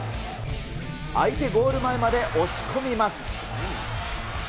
相手ゴール前まで押し込みます。